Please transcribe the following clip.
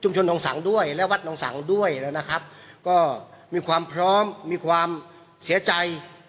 ชุมชนหนังสังด้วยและวัดหนังสังด้วยแล้วนะครับก็มีความพร้อมมีความเสียใจ